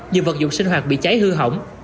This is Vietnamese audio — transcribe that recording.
nhiều vật dụng sinh hoạt bị cháy hư hỏng